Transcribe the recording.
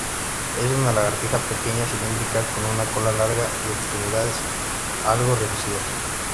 Es una lagartija pequeña, cilíndrica, con una cola larga y extremidades algo reducidas.